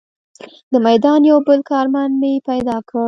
د میدان یو بل کارمند مې پیدا کړ.